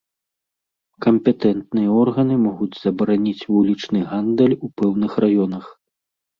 Кампетэнтныя органы могуць забараніць вулічны гандаль у пэўных раёнах.